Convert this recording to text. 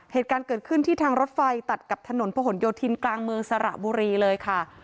เหตุการณ์เกิดขึ้นที่ทางรถไฟตัดกับถนนพะหนโยธินกลางเมืองสระบุรีเลยค่ะ